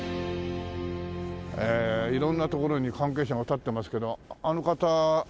色んな所に関係者が立ってますけどあの方。